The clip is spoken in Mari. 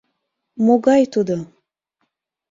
— Могай тудо?